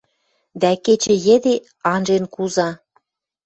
Дӓ кечӹ йӹде анжен куза